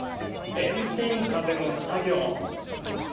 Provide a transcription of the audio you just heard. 炎天下での作業。